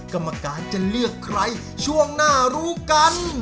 กรรมการจะเลือกใครช่วงหน้ารู้กัน